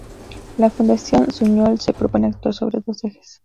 La Fundació Suñol se propone actuar sobre dos ejes.